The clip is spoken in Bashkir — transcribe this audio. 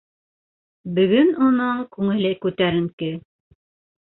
Бөгөн уның күңеле күтәренке.